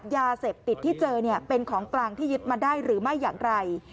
ยาเสพติดที่เจอเป็นของกลางที่ยึดมาได้หรือไม่อย่างไร